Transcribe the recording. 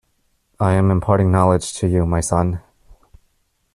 I am imparting knowledge to you my son.